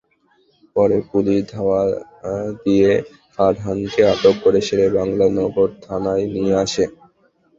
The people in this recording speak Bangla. পরে পুলিশ ধাওয়া দিয়ে ফারহানকে আটক করে শেরে বাংলা নগর থানায় নিয়ে আসে।